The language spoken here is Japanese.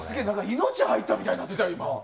命が入ったみたいになってた、今。